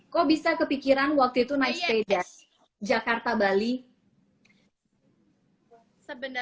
kok bisa kepikiran waktu itu naik sepeda